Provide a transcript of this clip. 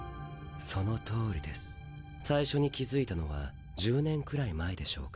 その通りです最初に気付いたのは１０年くらい前でしょうか。